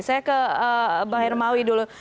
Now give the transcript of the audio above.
saya ke bang hermawi dulu